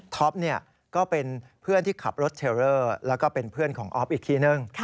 ก็เป็นเพื่อนที่ขับรถเทลเลอร์แล้วก็เป็นเพื่อนของออฟอีกทีนึง